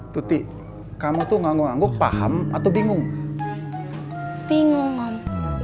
tuti kamu tuh ngangguk angguk paham atau bingung bingung